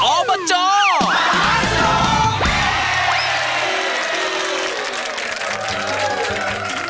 ออบจอร์ภาษาโรค